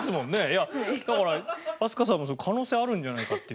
いやだから飛鳥さんも可能性あるんじゃないかっていう。